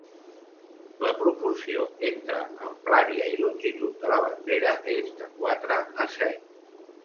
La proporció entre amplària i longitud de la bandera, és de quatre a set.